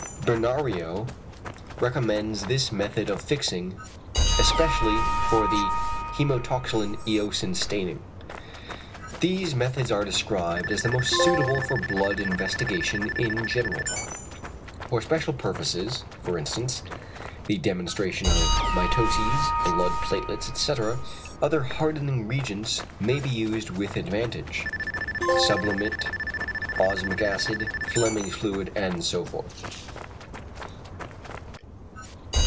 Benario recommends this method of fixing, especially for the hæmatoxylin eosin staining. These methods are described as the most suitable for blood investigation in general. For special purposes, for instance, the demonstration of mitoses, blood platelets, etc., other hardening reagents may be used with advantage: Sublimate, osmic acid, Flemming's fluid, and so forth.